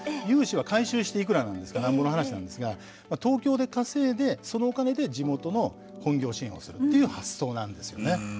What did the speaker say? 融資は回収して幾らなんですが何ぼの話なんですが東京で稼いでそのお金で地元の本業支援をするという発想なんですよね。